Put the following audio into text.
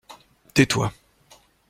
Tais-toi.